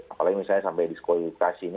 apalagi misalnya sampai diskreditasi